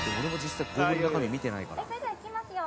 それではいきますよ。